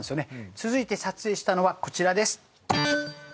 続いて撮影したのはこちらです